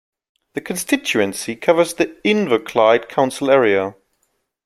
The constituency covers the Inverclyde council area.